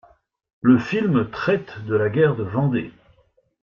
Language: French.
Le film traite de la guerre de Vendée.